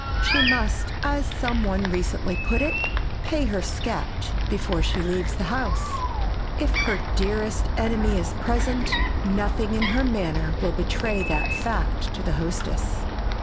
She must, as some one recently put it, "pay her scat" before she leaves the house. If her dearest enemy is present nothing in her manner will betray that fact to the hostess.